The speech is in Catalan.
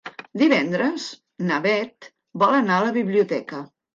Divendres na Bet vol anar a la biblioteca.